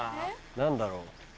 何だろう？